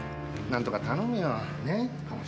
なんとか頼むよ。ね？